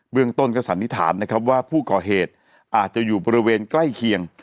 เรื่องต้นก็สันนิษฐานนะครับว่าผู้ก่อเหตุอาจจะอยู่บริเวณใกล้เคียง